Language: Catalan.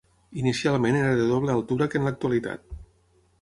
Inicialment era de doble altura que en l'actualitat.